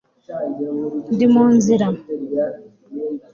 Ndi mu nzira